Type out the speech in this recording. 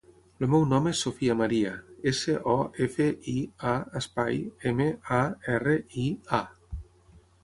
El meu nom és Sofia maria: essa, o, efa, i, a, espai, ema, a, erra, i, a.